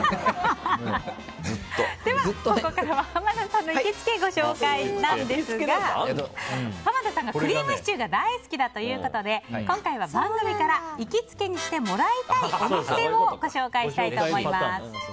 では、ここからは濱田さんの行きつけをご紹介なんですが濱田さんがクリームシチューが大好きだということで今回は、番組から行きつけにしてもらいたいお店をご紹介したいと思います。